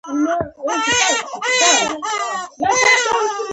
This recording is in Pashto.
فرش شوي لار، ونې، او د جهیل څنګلوری ښکارېد.